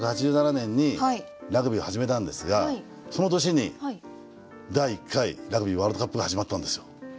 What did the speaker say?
１９８７年にラグビーを始めたんですがその年に第１回ラグビーワールドカップが始まったんですよ。